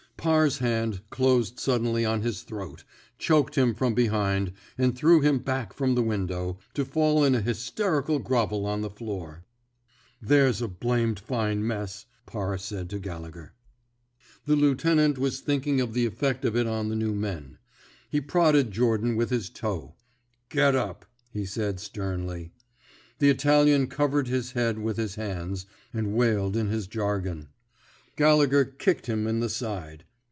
Parr's hand closed suddenly on his throat, choked him from behind, and threw him back from the window, to fall in a hysteric grovel on the floor. There's a blamed fine mess," Parr said to Gallegher. 22 THE BED INK SQUAD'' The lieutenant was thinking of the effect of it on the new men. He prodded Jordan with his toe. Get up/' he said, sternly. The Italian covered his head with his hands, and wailed in his jargon. Gallegher kicked him in the side.